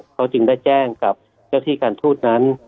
เขาจึงได้แจ้งกับเจ้าที่การทูตนั้น